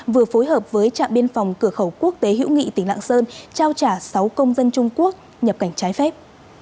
vừa phối hợp với trạm biên phòng cửa khẩu quốc tế hữu nghị tỉnh lạng sơn trao trả sáu công dân trung quốc nhập cảnh trái phép